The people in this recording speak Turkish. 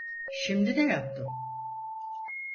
Şimdi ne yaptım?